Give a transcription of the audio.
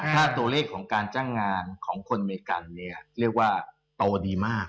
ถ้าตัวเลขของการจ้างงานของคนอเมริกันเนี่ยเรียกว่าโตดีมาก